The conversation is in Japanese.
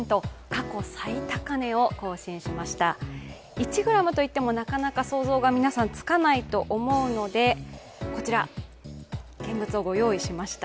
１ｇといってもなかなか想像がつかないと思うのでこちら、現物をご用意しました。